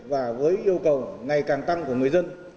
và với yêu cầu ngày càng tăng của người dân